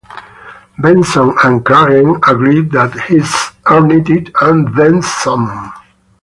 Benson and Cragen agree that he's earned it "and then some".